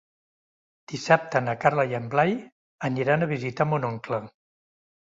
Dissabte na Carla i en Blai aniran a visitar mon oncle.